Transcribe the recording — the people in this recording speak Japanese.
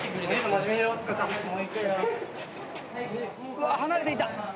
うわっ離れていった。